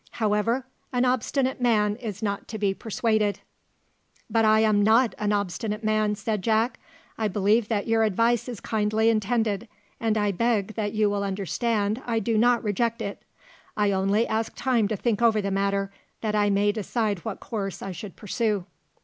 However, an obstinate man is not to be persuaded." "But I am not an obstinate man," said Jack; "I believe that your advice is kindly intended, and I beg that you will understand I do not reject it. I only ask time to think over the matter, that I may decide what course I should pursue."